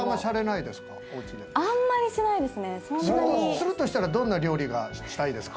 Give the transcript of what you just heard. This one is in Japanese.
するとしたらどんな料理がしたいですか？